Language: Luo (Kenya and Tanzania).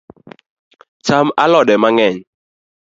Cham alode mang’eny